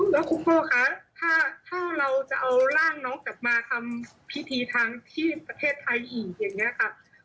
แล้วคุณพ่อคะถ้าเราจะเอาร่างน้องกลับมาทำพิธีทางที่ประเทศไทยอีกอย่างนี้ค่ะ